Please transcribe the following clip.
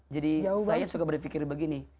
jadi saya suka berpikir begini